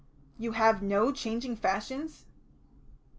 "You have no changing fashions?"